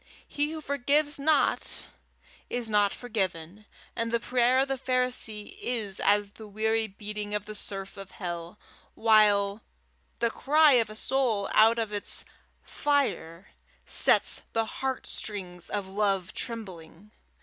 He who forgives not is not forgiven, and the prayer of the Pharisee is as the weary beating of the surf of hell, while the cry of a soul out of its fire sets the heart strings of love trembling.